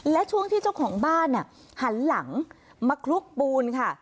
และช่วงที่เจ้าของบ้านหันหลังมาคลุกปูนค่ะ